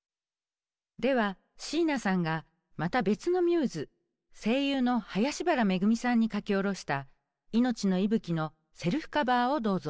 では椎名さんがまた別のミューズ声優の林原めぐみさんに書き下ろした「命の息吹き」のセルフカバーをどうぞ。